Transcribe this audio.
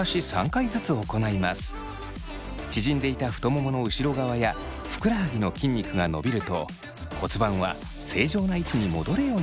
縮んでいた太ももの後ろ側やふくらはぎの筋肉が伸びると骨盤は正常な位置に戻るようになります。